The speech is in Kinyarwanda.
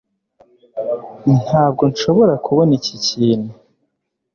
ntabwo nshobora kubona iki kintu